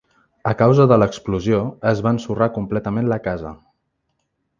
A causa de l'explosió es va ensorrar completament la casa.